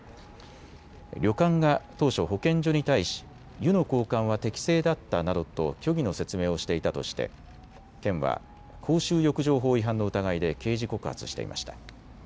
旅館が当初、保健所に対し湯の交換は適正だったなどと虚偽の説明をしていたとして県は公衆浴場法違反の疑いで刑事告発していました。